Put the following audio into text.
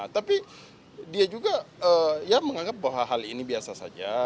tapi dia juga ya menganggap bahwa hal ini biasa saja